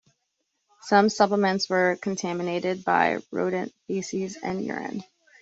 Some supplements were contaminated by rodent feces and urine.